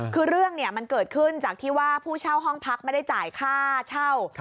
คือเรื่องมันเกิดขึ้นจากที่ว่าผู้เช่าห้องพักไม่ได้จ่ายค่าเช่า